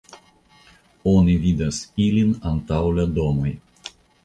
Oni vidas ilin antaŭ la domoj.